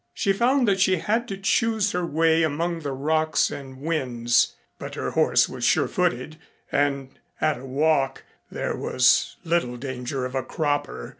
She found that she had to choose her way among the rocks and whins, but her horse was sure footed, and at a walk there was little danger of a cropper.